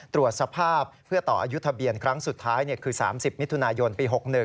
ตรวจสภาพเพื่อต่ออายุทะเบียนครั้งสุดท้ายคือ๓๐มิถุนายนปี๖๑